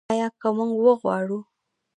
آیا که موږ وغواړو؟